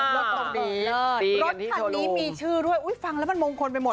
รถคันนี้มีชื่อด้วยฟังแล้วมันมงคลไปหมด